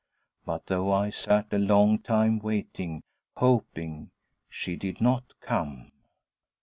But though I sat a long time waiting hoping She did not come.